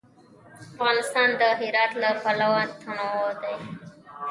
افغانستان د هرات له پلوه متنوع دی.